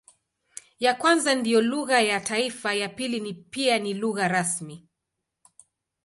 Ya kwanza ndiyo lugha ya taifa, ya pili ni pia lugha rasmi.